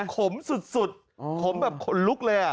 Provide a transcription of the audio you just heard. ขมสุดขมแบบขนลุกเลย